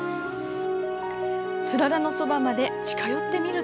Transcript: つららのそばまで近寄ってみると。